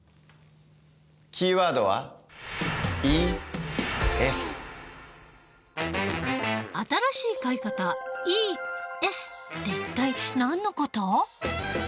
キーワードは新しい買い方「ＥＳ」って一体何の事？